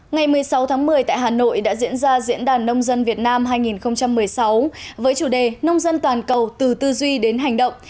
ngày một mươi sáu tháng một mươi tại hà nội đã diễn ra diễn đàn nông dân việt nam hai nghìn một mươi sáu với chủ đề nông dân toàn cầu từ tư duy đến hành động